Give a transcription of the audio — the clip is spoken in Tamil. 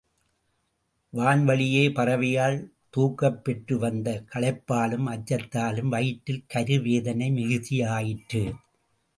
வான்வழியே பறவையால் தூக்கப்பெற்று வந்த களைப்பாலும் அச்சத்தாலும் வயிற்றில் கரு வேதனை மிகுதியாயிற்று.